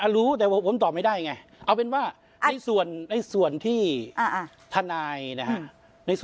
รู้แต่ผมตอบไม่ได้ไงเอาเป็นว่าในส่วนที่ทนายนะครับ